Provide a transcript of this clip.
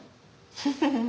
フフフフ。